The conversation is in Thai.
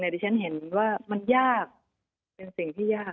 แต่ดิฉันเห็นว่ามันยากเป็นสิ่งที่ยาก